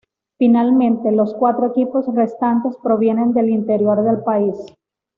Finalmente, los cuatro equipos restantes provienen del interior del país.